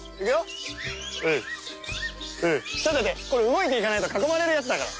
これ動いていかないと囲まれるやつだから。